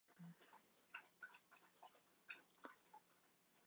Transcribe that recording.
Estas sugestoj de loĝado de Ferepoko kaj romianoj.